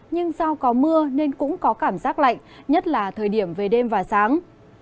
nhưng do có mưa nên cũng có cảm giác lạnh nhất là thời điểm về đêm và sáng